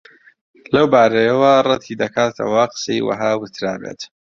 لەو بارەیەوە ڕەتی دەکاتەوە قسەی وەها وترابێت